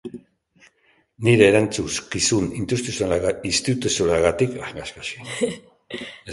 Nire erantzukizun instituzionalagatik kasu egin nion eta akta hipotetiko hori berreraikitzen saiatu nintzen.